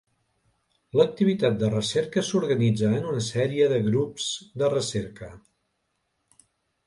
L'activitat de recerca s'organitza en una sèrie de grups de recerca.